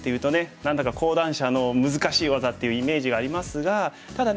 何だか高段者の難しい技っていうイメージがありますがただね